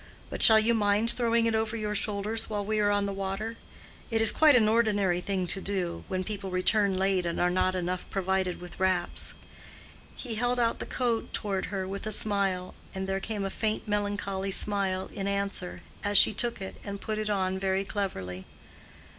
But shall you mind throwing it over your shoulders while we are on the water? It is quite an ordinary thing to do, when people return late and are not enough provided with wraps." He held out the coat toward her with a smile, and there came a faint melancholy smile in answer, as she took it and put it on very cleverly.